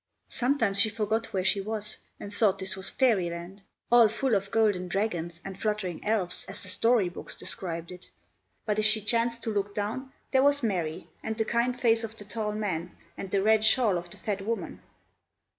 Sometimes she forgot where she was, and thought this was fairy land, all full of golden dragons, and fluttering elves, as the story books described it; but if she chanced to look down, there was Mary, and the kind face of the tall man, and the red shawl of the fat woman.